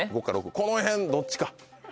この辺どっちか。